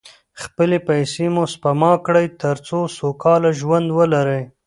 خپلې پیسې مو سپما کړئ، تر څو سوکاله ژوند ولرئ.